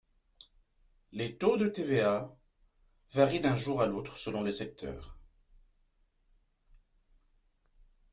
Les taux de TVA varient d’un jour à l’autre selon les secteurs.